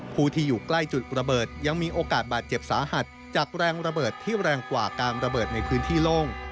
ผู้ที่อยู่ใกล้จุดระเบิดยังมีโอกาสบาดเจ็บสาหัสจากแรงระเบิดที่แรงกว่าการระเบิดในพื้นที่โล่ง